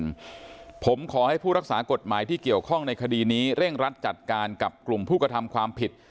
ผมขอให้ผู้รักษากฎหมายที่เกี่ยวข้องในคดีนี้เร่งรัดจัดการกับกลุ่มผู้กระทำความผิด